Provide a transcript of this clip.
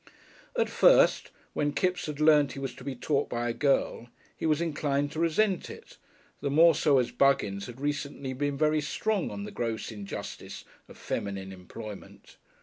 At first, when Kipps had learnt he was to be taught by a "girl," he was inclined to resent it, the more so as Buggins had recently been very strong on the gross injustice of feminine employment.